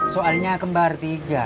soalnya kembar tiga